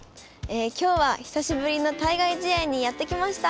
今日は久しぶりの対外試合にやって来ました。